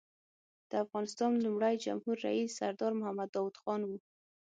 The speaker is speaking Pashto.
د افغانستان لومړی جمهور رییس سردار محمد داود خان و.